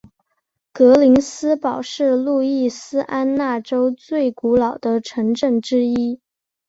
格林斯堡是路易斯安那州最古老的城镇之一。